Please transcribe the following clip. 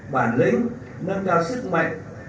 bản lĩnh nâng cao sức mạnh